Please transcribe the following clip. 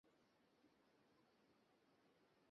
তবে কি জানিস, সকলেই কিন্তু তাঁর অন্তরঙ্গ নয়।